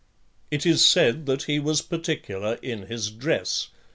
It is said that he was particular in his dress.